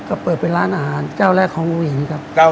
ก็เปิดเป็นร้านอาหารเจ้าแรกของผู้หญิงครับ